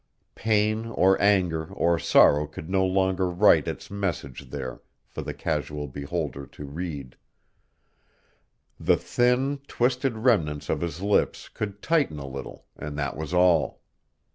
Pain or anger or sorrow could no longer write its message there for the casual beholder to read. The thin, twisted remnants of his lips could tighten a little, and that was all.